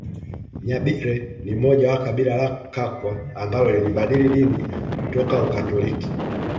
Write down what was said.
Nyabire ni mmoja wa kabila la Kakwa ambalo lilibadili dini kutoka Ukatoliki